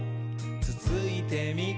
つついてみ？」